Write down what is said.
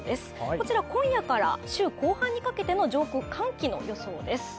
こちら今夜から週後半にかけての上空寒気の予想です。